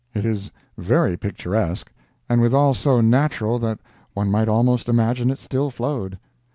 It is very picturesque, and withal so natural that one might almost imagine it still flowed.